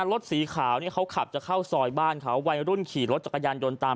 รถสีขาวเนี่ยเขาขับจะเข้าซอยบ้านเขาวัยรุ่นขี่รถจักรยานยนต์ตาม